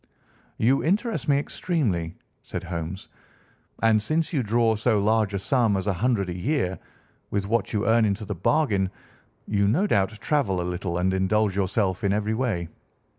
"You interest me extremely," said Holmes. "And since you draw so large a sum as a hundred a year, with what you earn into the bargain, you no doubt travel a little and indulge yourself in every way.